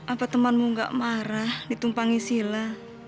apa temanmu gak marah ditumpangi sila